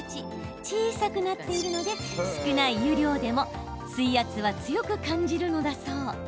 小さくなっているので少ない湯量でも水圧は強く感じるのだそう。